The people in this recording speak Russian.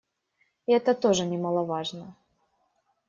И это тоже немаловажно.